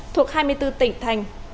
thuộc hai mươi bốn tỉnh thành